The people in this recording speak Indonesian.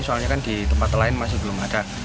soalnya kan di tempat lain masih belum ada